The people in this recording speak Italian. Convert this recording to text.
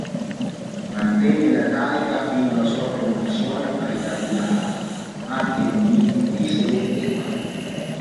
Mantenne la carica fino alla sua promozione al cardinalato, anche non vi risiedette mai.